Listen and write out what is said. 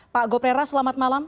pak goprera selamat malam